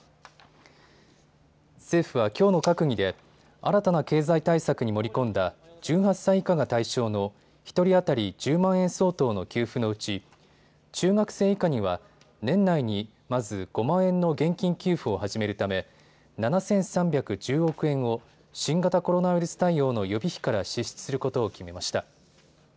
政府はきょうの閣議で新たな経済対策に盛り込んだ１８歳以下が対象の１人当たり１０万円相当の給付のうち中学生以下には年内にまず５万円の現金給付を始めるため７３１０億円を新型コロナウイルス対応の予備費から支出することを決めました。